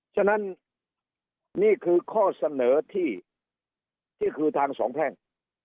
ฉะนั้นนี่คือข้อเสนอที่คือทางสองแพ่ง